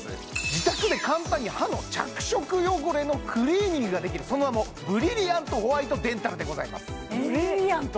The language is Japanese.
自宅で簡単に歯の着色汚れのクリーニングができるその名もブリリアントホワイトデンタルでございますブリリアント？